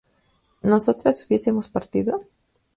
¿nosotras hubiésemos partido?